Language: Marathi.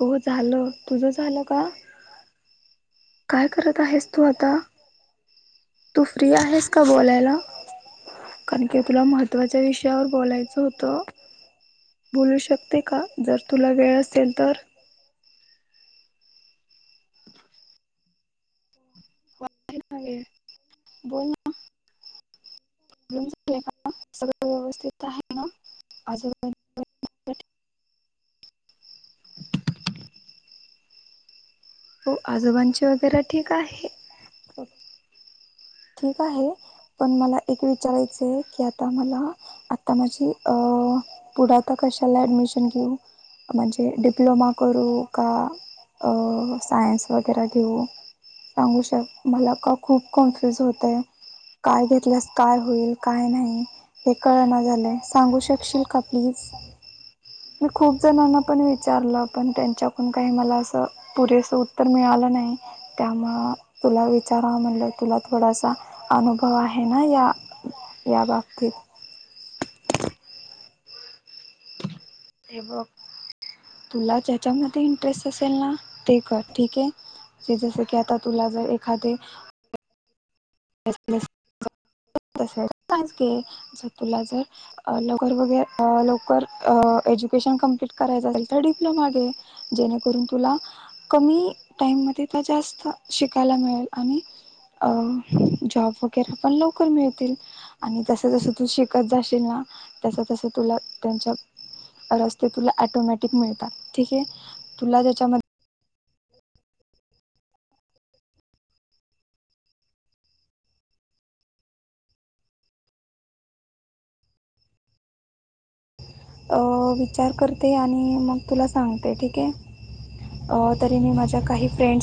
हो झालं तुझं झालं का? काय करत आहेस तू आता तू फ्री आहेस का बोलायला कारण की तुला महत्त्वाच्या विषयावर बोलायचं होतं. बोलू शकते का जर तुला वेळ असेल तर बोल. सगळ व्यवस्थित आहे आजुन काय? हो आजोबांची वगैरे ठीक आहे. ठीक आहे पण मला एक विचारायचं आहे की आता मला आता माझी अ पुढेता कशाला ऍडमिशन घेऊ म्हणजे डिप्लोमा करू का सायन्स वगैरे घेऊ? सांगू शक मला का खूप कॉन्फ्युज होतय. काय घेतल्यास काय होईल काय नाही. हे कळना झाले सागुशकशील का प्लीज मी खूप जणांना पण विचारलं पण त्यांच्याकडून काही मला असं पुरेस उत्तर मिळालं नाही त्यामुळ तुला विचारा म्हणलं तुला थोडासा अनुभव आहे ना या या बाबतीत ते बघ तुला ज्याच्यामध्ये इंटरेस्ट असेल ना ते कर ठीक आहे. जस की आता तुला जर एखादे च घ ज तुला जर लवकर वगैरे लवकर एज्युकेशन कमप्लीट करायच असेल तर डिप्लोमा घे जेणेकरून तुला कमी टाइम मध्ये जास्त शिकायला मिळेल आणि अ जॉब वगैरे पण लवकर मिळतील. आणि तस जसं तू शिकत जाशील ना तस, तस तुला त्यांच्या रस्ते तुला टोमॅटिक मिळतात ठीके तुला त्याच्यामध्ये विचार करते आणि मग तुला सांगते ठीक आहे. तरी मी माझ्या काही फ्रेंडस